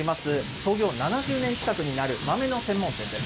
創業７０年近くになる豆の専門店です。